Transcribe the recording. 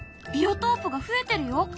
ビオトープが増えてるよ！